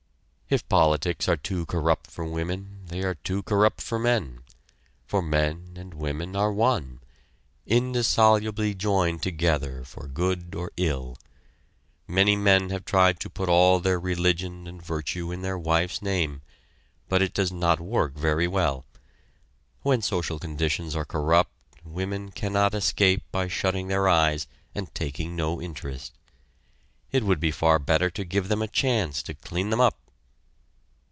If politics are too corrupt for women, they are too corrupt for men; for men and women are one indissolubly joined together for good or ill. Many men have tried to put all their religion and virtue in their wife's name, but it does not work very well. When social conditions are corrupt women cannot escape by shutting their eyes, and taking no interest. It would be far better to give them a chance to clean them up.